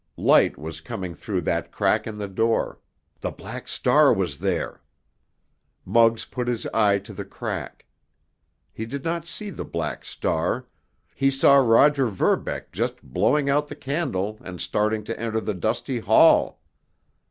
Light was coming through that crack in the door—the Black Star was there! Muggs put his eye to the crack. He did not see the Black Star—he saw Roger Verbeck just blowing out the candle and starting to enter the dusty hall!